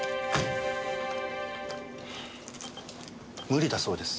無理だそうです。